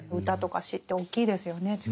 歌とか詩って大きいですよね